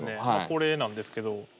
これなんですけど。